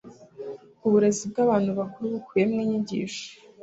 Uburezi bw abantu bakuru bukubiyemo inyigisho